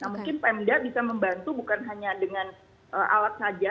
mungkin pemda bisa membantu bukan hanya dengan alat saja